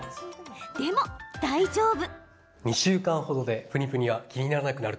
でも大丈夫。